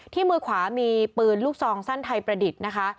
มือขวามีปืนลูกซองสั้นไทยประดิษฐ์นะคะ